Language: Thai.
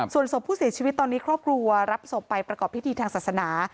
ส่วนศพผู้เสียชีวิตตอนนี้ครอบครัวรับศพไปประกอบพิธีทางศาสนา